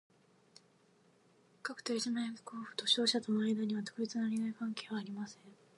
各取締役候補と当社との間には、特別な利害関係はありません